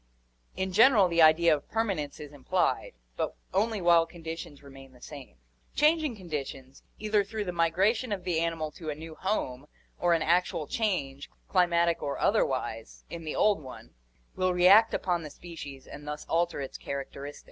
In general the idea of perma nence is implied, but only while conditions remain the same; changing conditions, either through the migration of the animal to a new home or an actual change, climatic or otherwise, in the old one, will react upon the species and thus alter its characteristics.